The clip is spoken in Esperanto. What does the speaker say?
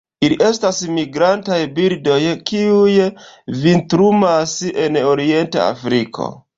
Ili estas migrantaj birdoj, kiuj vintrumas en orienta Afriko.